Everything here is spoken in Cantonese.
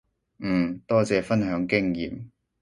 嗯，多謝分享經驗